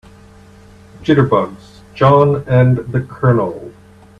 Jitterbugs JOHN and the COLONEL.